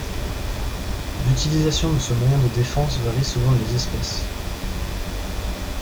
L'utilisation de ce moyen de défense varie selon les espèces.